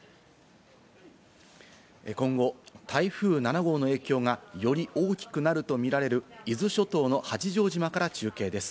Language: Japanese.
今後、台風７号の影響が、より大きくなるとみられる伊豆諸島の八丈島から中継です。